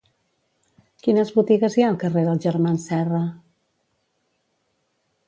Quines botigues hi ha al carrer dels Germans Serra?